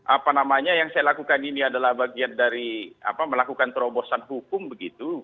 apa namanya yang saya lakukan ini adalah bagian dari melakukan terobosan hukum begitu